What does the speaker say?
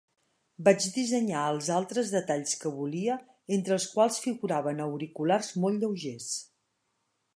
Vaig dissenyar els altres detalls que volia, entre els quals figuraven auriculars molt lleugers.